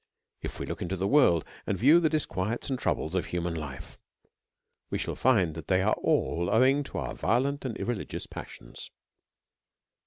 If we look into the world, and view the disquiets and troubles of human life, we shall find that they are all owing to our violent and ir religious passions.